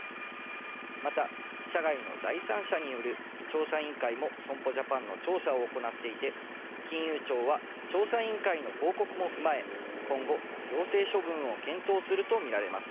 また、社外の第三者による調査委員会も損保ジャパンの調査を行っていて、金融庁は調査委員会の報告も踏まえ、今後、行政処分を検討するとみられます。